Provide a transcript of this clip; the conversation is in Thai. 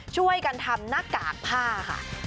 ช่วยกันทำหน้ากากผ้าค่ะ